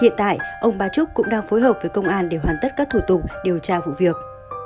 hiện tại ông ba trúc cũng đang phối hợp với công an để hoàn tất các thủ tục điều tra vụ việc